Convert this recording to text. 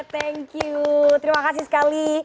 thank you terima kasih sekali